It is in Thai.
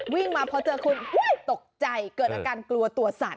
วิ่งมาพอเจอคุณตกใจเกิดอาการกลัวตัวสั่น